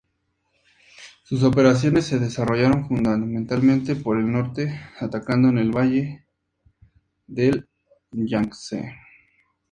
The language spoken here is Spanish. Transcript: Sus operaciones se desarrollaron fundamentalmente por el norte atacando en el valle del Yangtze.